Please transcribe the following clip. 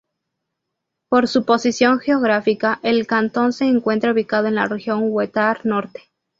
Por su posición geográfica, el cantón se encuentra ubicado en la Región Huetar Norte.